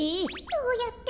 どうやって？